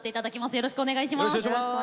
よろしくお願いします。